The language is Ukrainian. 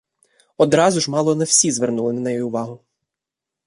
Одразу ж мало не всі звернули на неї увагу.